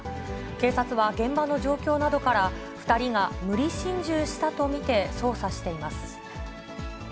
警察は現場の状況などから、２人が無理心中したと見て、捜査しています。